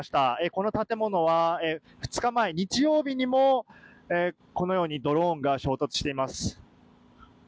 この建物は２日前の日曜日にもこのようにドローンが衝突しています。